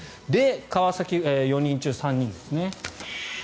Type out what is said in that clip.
川崎、４人中３人ですね。